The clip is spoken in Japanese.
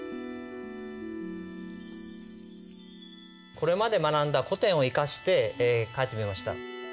これまで学んだ古典を生かして書いてみました。